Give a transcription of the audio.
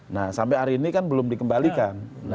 nah sampai hari ini kan belum dikembalikan